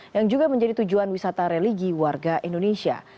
yang juga menjadi tujuan wisata religi warga indonesia